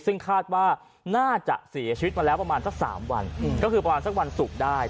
ซึ่งคาดว่าน่าจะเสียชีวิตมาแล้วประมาณสัก๓วันก็คือประมาณสักวันศุกร์ได้